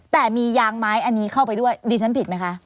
แต่มียางไม้อันนี้เข้าไปด้วยดิฉันผิดไหมคะ